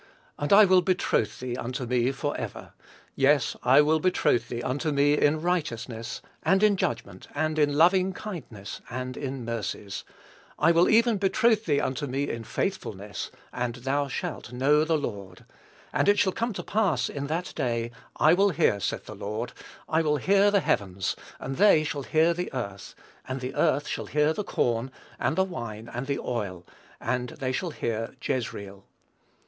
And I will betroth thee unto me forever; yea, I will betroth thee unto me in righteousness, and in judgment, and in loving kindness, and in mercies; I will even betroth thee unto me in faithfulness; and thou shalt know the Lord. And it shall come to pass in that day, I will hear, saith the Lord, I will hear the heavens, and they shall hear the earth; and the earth shall hear the corn, and the wine, and the oil; and they shall hear Jezreel.